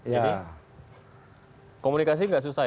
jadi komunikasi nggak susah